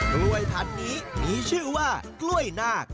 กล้วยพันธุ์นี้มีชื่อว่ากล้วยนาค